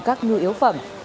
các nhu yếu phẩm